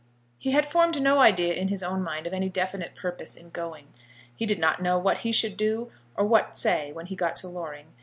He had formed no idea in his own mind of any definite purpose in going. He did not know what he should do or what say when he got to Loring.